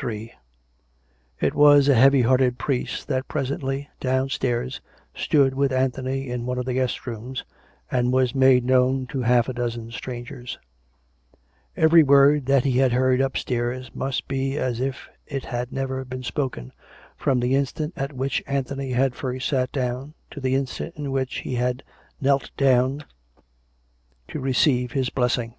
Ill It was a heavy hearted priest that presently, downstairs, stood with Anthony in one of the guest rooms, and was made known to half a dozen strangers. Every word that he had heard upstairs must be as if it had never been spoken, from the instant at which Anthony had first sat down to the instant in which he had kneeled down to receive his blessing.